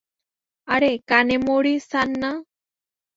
আরে, কানেমোরি-সান না?